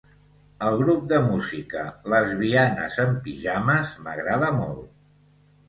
El grup de música Les Bianes en Pijames m'agrada molt